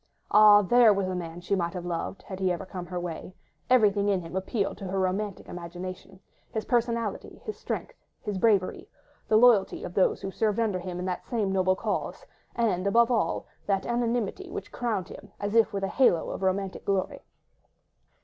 Ah! there was a man she might have loved, had he come her way: everything in him appealed to her romantic imagination; his personality, his strength, his bravery, the loyalty of those who served under him in the same noble cause, and, above all, that anonymity which crowned him, as if with a halo of romantic glory.